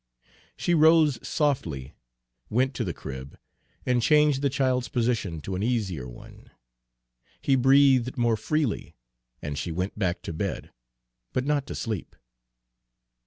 She rose softly, went to the crib, and changed the child's position to an easier one. He breathed more freely, and she went back to bed, but not to sleep.